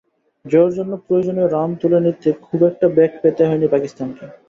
জয়ের জন্য প্রয়োজনীয় রান তুলে নিতে খুব একটা বেগ পেতে হয়নি পাকিস্তানকে।